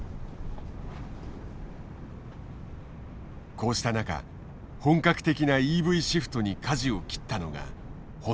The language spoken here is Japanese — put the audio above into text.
こうした中本格的なＥＶシフトにかじを切ったのがホンダだ。